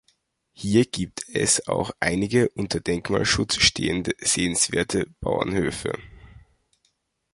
Hier gibt es auch einige unter Denkmalschutz stehende sehenswerte Bauernhöfe.